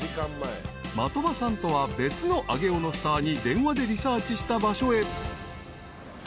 ［的場さんとは別の上尾のスターに電話でリサーチした場所へ］